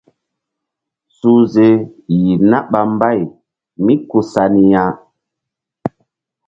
Suhze yeh na ɓa mbay mí ku sa ni ya.